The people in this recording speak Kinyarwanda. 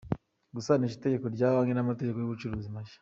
Gusanisha itegeko rya banki n’amategeko y’ubucuruzi mashya.